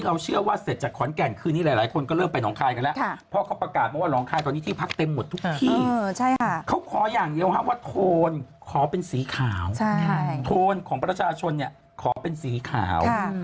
เราเชื่อว่าเสร็จจากขอนแก่นคืนนี้หลายคนก็เริ่มไปหนองคายกันแล้ว